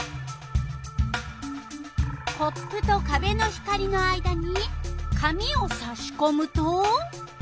コップとかべの光の間に紙をさしこむと？